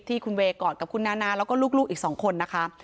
ที่คุณเวย์กอดกับคุณนานาแล้วก็ลูกอีก๒คนนะคะ